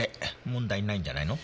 問題ないんじゃないの？